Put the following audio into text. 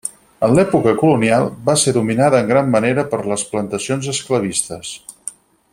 En l'època colonial, va ser dominada en gran manera per les plantacions esclavistes.